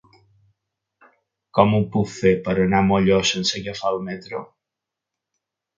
Com ho puc fer per anar a Molló sense agafar el metro?